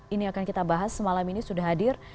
ini akan kita bahas semalam ini sudah hadir